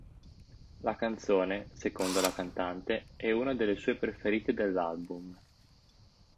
La canzone, secondo la cantante, è una delle sue preferite dell'album.